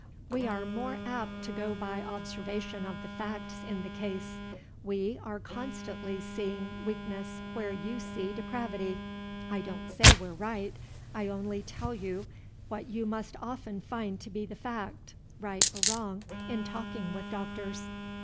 We are more apt to go by observation of the facts in the case. We are constantly seeing weakness where you see depravity. I don't say we're right; I only tell what you must often find to be the fact, right or wrong, in talking with doctors.